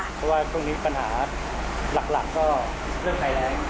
เพราะว่าช่วงนี้ปัญหาหลักก็เรื่องภัยแรง